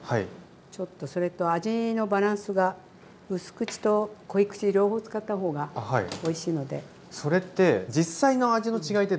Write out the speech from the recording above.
ちょっとそれと味のバランスがうす口とこい口両方使ったほうがおいしいので。